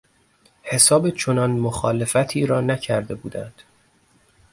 حساب چنان مخالفتی را نکرده بودند.